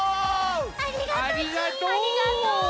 ありがとう！